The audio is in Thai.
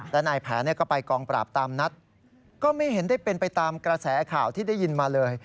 และนายแผนก็ไปกองปราบตามนัดก็ไม่เห็นได้เป็นไปตามกระแสข่าวที่ได้ยินมาเลย